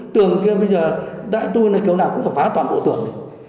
tường kia bây giờ đại tu này kiểu nào cũng phải phá toàn bộ tường